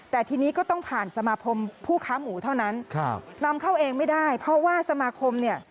แต่ทีนี้ก็ต้องผ่านสมาคมผู้ค้าหมูเท่านั้นครับนำเข้าเองไม่ได้เพราะว่าสมาคมเนี่ย